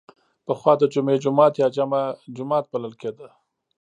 پخوا د جمعې جومات یا جمعه جومات بلل کیده.